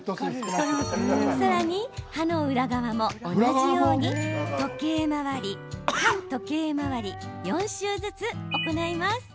さらに、歯の裏側も同じように時計回り、反時計回り４周ずつ行います。